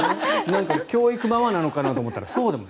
教育ママなのかなと思ったらそうでも。